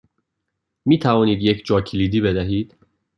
می توانید یک جاکلیدی بدهید؟